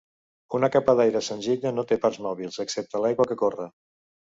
Una capa d'aire senzilla no té parts mòbils, excepte l'aigua que corre.